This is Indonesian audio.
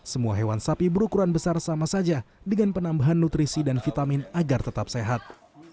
semua hewan sapi berukuran besar sama saja dengan penambahan nutrisi dan vitamin agar tetap sehat